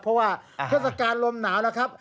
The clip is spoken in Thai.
เพราะว่าเทศกาลลมหนาวแล้วครับ